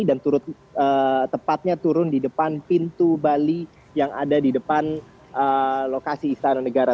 dan tepatnya turun di depan pintu bali yang ada di depan lokasi istana negara